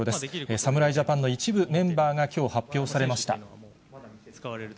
侍ジャパンの一部メンバーがきょう発表されました。